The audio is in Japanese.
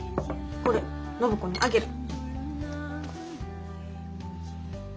これ暢子にあげる。